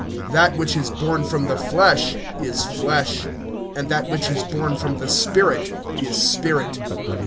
(6)That which is born of the flesh is flesh; and that which is born of the Spirit is spirit.